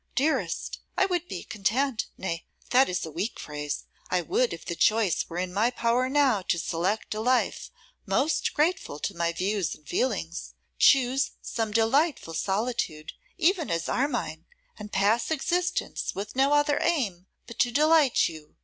'Dearest, I would be content, nay! that is a weak phrase, I would, if the choice were in my power now to select a life most grateful to my views and feelings, choose some delightful solitude, even as Armine, and pass existence with no other aim but to delight you.